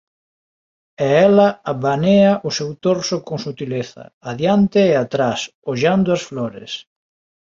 E ela abanea o seu torso con sutileza, adiante e atrás, ollando as flores.